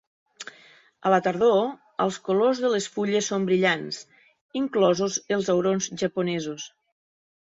A la tardor, els colors de les fulles són brillants, inclosos els aurons japonesos.